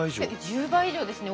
１０倍以上ですね。